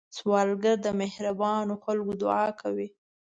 سوالګر د مهربانو خلکو دعا کوي